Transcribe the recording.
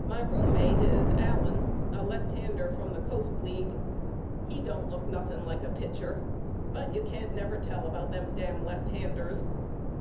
My roommate is Allen a lefthander from the Coast League. He don't look nothing like a pitcher but you can't never tell about them dam left handers.